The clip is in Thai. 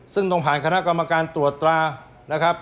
ซึ่งต้องผ่านคณะกรรมการตรวจตรานะครับ